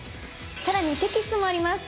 更にテキストもあります。